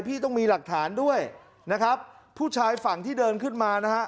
พี่ต้องมีหลักฐานด้วยนะครับผู้ชายฝั่งที่เดินขึ้นมานะฮะ